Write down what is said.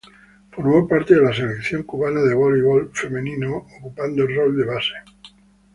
Formó parte de la Selección Cubana de Voleibol Femenino ocupando el rol de base.